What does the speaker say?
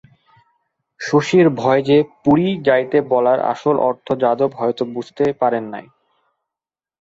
শশীর ভয় যে পুরী যাইতে বলার আসল অর্থ যাদব হয়তো বুঝতে পারেন নাই।